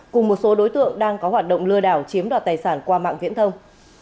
cùng một số đối tượng đang có hoạt động lừa đảo chiếm đoạt tài sản qua mạng viễn thông